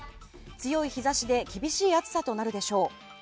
強い日差しで厳しい暑さとなるでしょう。